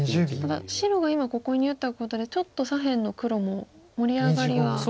ただ白が今ここに打ったことでちょっと左辺の黒も盛り上がりは。